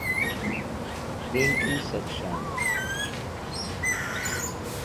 Operational procedures have been amended to minimise these risks.